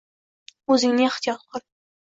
O‘zingni ehtiyot qil.